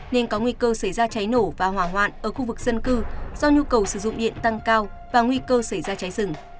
nên có nguy cơ xảy ra cháy nổ và hỏa hoạn ở khu vực dân cư do nhu cầu sử dụng điện tăng cao và nguy cơ xảy ra cháy rừng